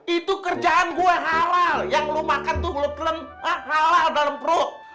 itu kerjaan gue halal yang lo makan tuh halal dalam perut